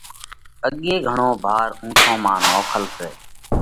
اڳي گھڻو ڀار اُونٺون مانه نوکل سئہ